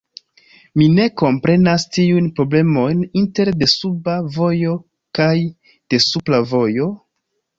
Mi ne komprenas tiujn problemojn inter desuba vojo kaj desupra vojo?